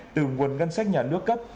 từ nguồn ngân sách nhà nước cấp